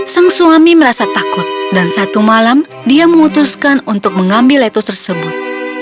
sang suami merasa takut dan satu malam dia memutuskan untuk mengambil letus tersebut